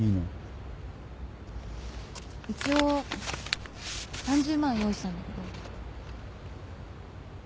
一応３０万用意したんだけど。